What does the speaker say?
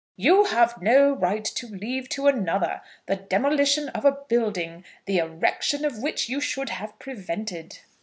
"You have no right to leave to another the demolition of a building, the erection of which you should have prevented."